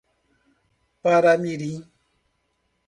Paramirim